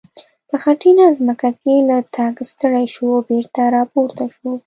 په خټینه ځمکه کې له تګه ستړی شو او بېرته را پورته شو.